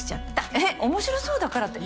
えっ面白そうだからってえっ？